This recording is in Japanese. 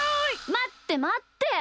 まってまって。